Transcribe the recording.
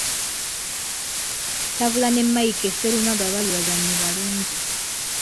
Tabula ne Mike Sserumaga baali bazannyi balungi.